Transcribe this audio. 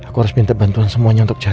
gue bawa askara ke kamar